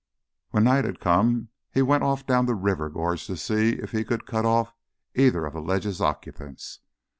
When night had come he went off down the river gorge to see if he could cut off either of the ledge's occupants.